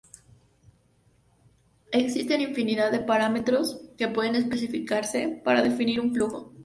Existen infinidad de parámetros que pueden especificarse para definir un flujo.